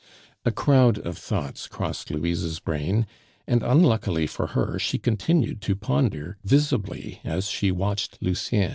A crowd of thoughts crossed Louise's brain, and unluckily for her, she continued to ponder visibly as she watched Lucien.